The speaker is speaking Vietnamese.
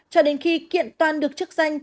cho đến khi kiện toàn được chức danh